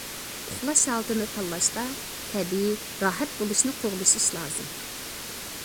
ئۇخلاش ھالىتىنى تاللاشتا، تەبىئىي، راھەت بولۇشنى قوغلىشىش لازىم.